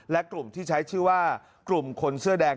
และกลุ่มที่ใช้ชื่อว่ากลุ่มคนเสื้อแดง